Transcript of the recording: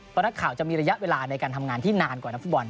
เพราะนักข่าวจะมีระยะเวลาในการทำงานที่นานกว่านักฟุตบอล